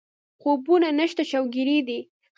خوبونه نشته شوګېري دي